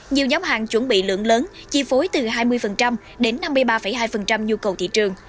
nhiều nhóm hàng chuẩn bị lượng lớn chi phối từ hai mươi đến năm mươi ba hai nhu cầu thị trường